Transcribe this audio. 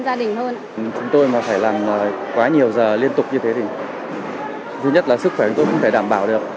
chúng tôi mà phải làm quá nhiều giờ liên tục như thế thì duy nhất là sức khỏe chúng tôi không thể đảm bảo được